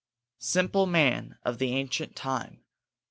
Simple man of the ancient time!